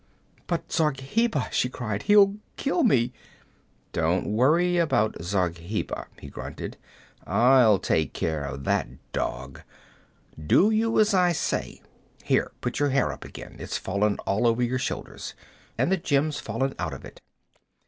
'But Zargheba?' she cried. 'He'll kill me!' 'Don't worry about Zargheba,' he grunted. 'I'll take care of that dog. You do as I say. Here, put up your hair again. It's fallen all over your shoulders. And the gem's fallen out of it.'